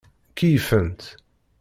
Keyyfent.